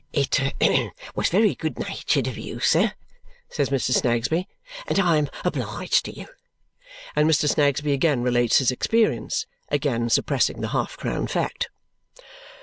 "It was very good natured of you, sir," says Mr. Snagsby, "and I am obliged to you." And Mr. Snagsby again relates his experience, again suppressing the half crown fact.